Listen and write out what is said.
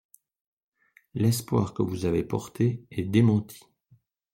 L’espoir que vous avez porté est démenti.